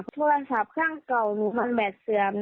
โทรศัพท์ข้างเก่าหนูมันแบตเสื่อม